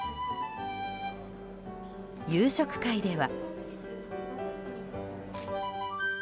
夕食会では。